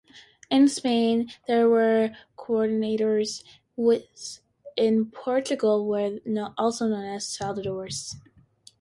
In Spain they were "curanderos" whilst in Portugal they were known as "saludadores".